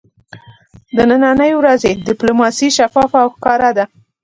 د ننی ورځې ډیپلوماسي شفافه او ښکاره ده